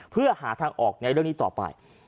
เพื่อหาทางออกในเรื่องนี้ต่อไป